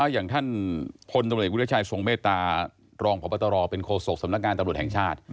อย่างท่านพลตำรวจวิทยาชัยทรงเมตตารองพบตรเป็นโคศกสำนักงานตำรวจแห่งชาติ